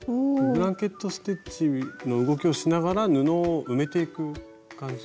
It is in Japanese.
ブランケット・ステッチの動きをしながら布を埋めていく感じ。